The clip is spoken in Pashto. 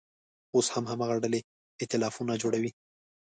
اوس هم هماغه ډلې اییتلافونه جوړوي.